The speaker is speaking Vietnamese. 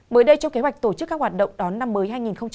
mới đây trong kế hoạch tổ chức các hoạt động đón năm mới hai nghìn hai mươi